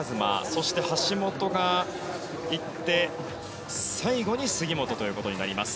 そして橋本が行って最後に杉本となります。